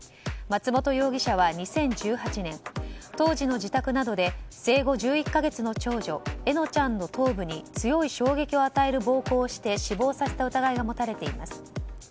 松本容疑者は２０１８年当時の自宅などで生後１１か月の長女笑乃ちゃんの頭部に強い衝撃を与える暴行をして死亡させた疑いが持たれています。